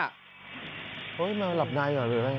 เฮ้ยมาหลับนายเหรอเรื่อย